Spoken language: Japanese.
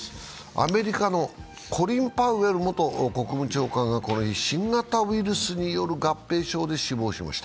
アメリカのコリン・パウエル元国務長官がこの日、新型ウイルスによる合併症で死亡しました。